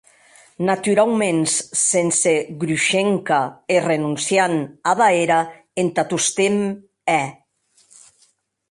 Naturauments, sense Grushenka e renonciant ada era entà tostemp, è?